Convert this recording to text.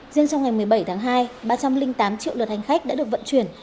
riêng trong ngày một mươi bảy tháng hai ba trăm linh tám triệu lượt hành khách đã được vận chuyển